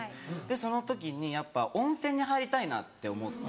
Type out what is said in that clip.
その時にやっぱ温泉に入りたいなって思って。